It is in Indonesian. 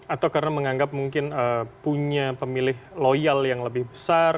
atau karena menganggap mungkin punya pemilih loyal yang lebih besar